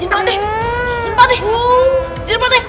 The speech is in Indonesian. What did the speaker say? jin pak deh jin pak deh